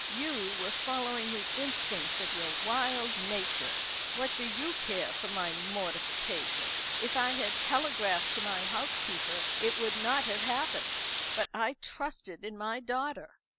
You were following the instincts of your wild nature. What do you care for my mortification? If I had telegraphed to my housekeeper, it would not have happened. But I trusted in my daughter."